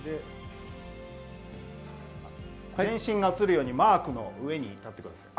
全身が映るようにマークの上に立ってください。